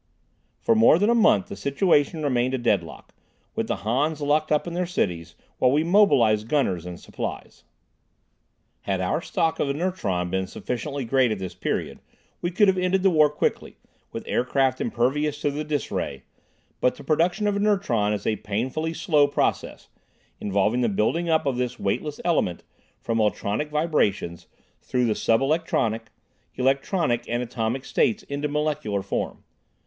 For more than a month the situation remained a deadlock, with the Hans locked up in their cities, while we mobilized gunners and supplies. Had our stock of inertron been sufficiently great at this period, we could have ended the war quickly, with aircraft impervious to the "dis" ray. But the production of inertron is a painfully slow process, involving the building up of this weightless element from ultronic vibrations through the sub electronic, electronic and atomic states into molecular form.